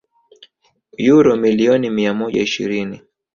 uro milioni mia moja ishirini